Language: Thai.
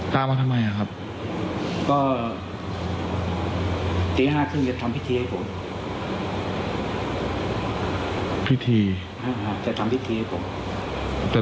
ท่านพาผมมาบอกว่า